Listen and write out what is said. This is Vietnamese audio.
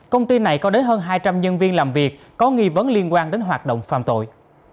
công ty này có đến hơn hai trăm linh nhân viên làm việc có nghi vấn liên quan đến hoạt động phạm tội